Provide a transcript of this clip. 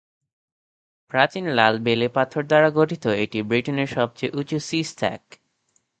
প্রাচীন লাল বেলেপাথর দ্বারা গঠিত এটি ব্রিটেনের সবচেয়ে উচু সী স্ট্যাক।